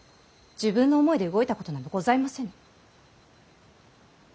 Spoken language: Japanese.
自分の思いで動いたことなどございませぬ。